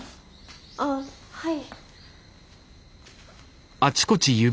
ああはい。